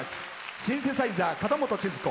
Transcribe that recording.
シンセサイザー、角本ちづ子。